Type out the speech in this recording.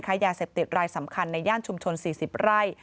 ยาเสพติดรายสำคัญในย่านชุมชน๔๐ไร่